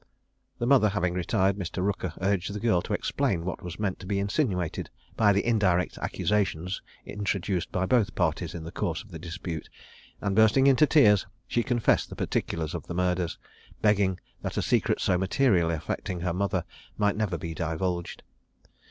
The mother having retired, Mr. Rooker urged the girl to explain what was meant to be insinuated by the indirect accusations introduced by both parties in the course of the dispute; and, bursting into tears, she confessed the particulars of the murders, begging that a secret so materially affecting her mother might never be divulged.